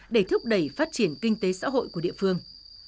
để thúc đẩy phát triển kinh tế xã hội của địa phương